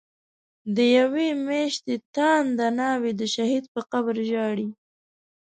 دیوی میاشتی تانده ناوی، د شهید په قبر ژاړی